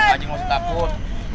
nih tenang aja gak usah takut